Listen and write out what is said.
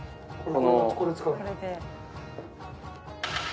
これで。